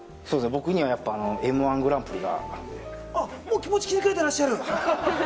僕にはやっぱＭ−１グあっもう気持ち切り替えてらっしゃる？